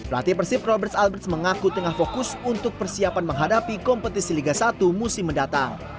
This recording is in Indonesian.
lati persib robert alberts mengaku tengah fokus untuk persiapan menghadapi kompetisi liga satu musim mendatang